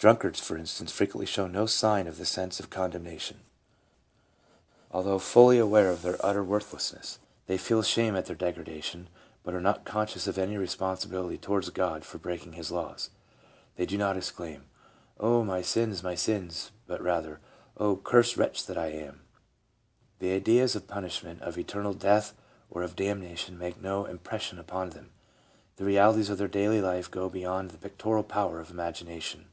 Drunkards, for instance, frequently show no sign of the sense of condemnation, although fully aware of their utter PSYCHOLOGY OF RELIGIOUS PHENOMENA. 331 worthlessness. They feel shame at their degradation, but are not conscious of any responsibility towards God for breaking His laws. They do not exclaim, "Oh, my sins, my sins!" but rather :" Oh, cursed wretch that I am!" The ideas of punishment, of eternal death or of damnation make no impres sion upon them ; the realities of their daily life go beyond the pictorial power of imagination.